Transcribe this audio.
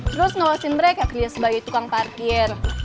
terus ngawasin mereka kerja sebagai tukang parkir